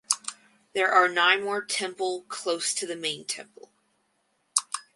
There are nine more temple close to the main temple.